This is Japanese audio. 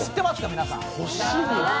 皆さん。